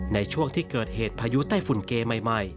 ในช่วงที่เกิดเหตุพายุไต้ฝุ่นเกใหม่